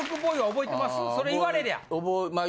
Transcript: それ言われりゃあ。